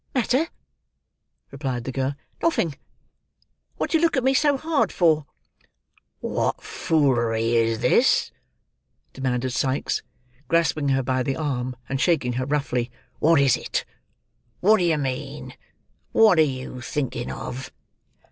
"Matter!" replied the girl. "Nothing. What do you look at me so hard for?" "What foolery is this?" demanded Sikes, grasping her by the arm, and shaking her roughly. "What is it? What do you mean? What are you thinking of?"